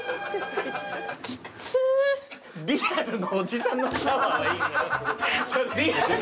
リアルなおじさんのシャワーはいいのよ。